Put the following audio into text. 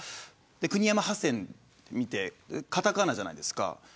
国山ハセンと見てカタカナじゃないですか。